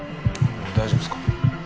大丈夫ですか？